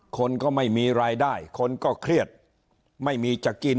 คนก็ไม่มีรายได้คนก็เครียดไม่มีจะกิน